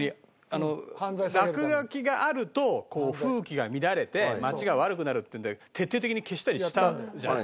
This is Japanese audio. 落書きがあると風紀が乱れて街が悪くなるっていうんで徹底的に消したりしたじゃない。